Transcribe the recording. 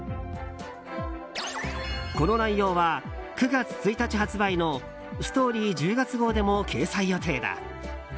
この内容は、９月１日発売の「ＳＴＯＲＹ」１０月号でも掲載予定だ。